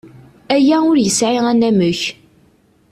Aya ur yesɛi anamek.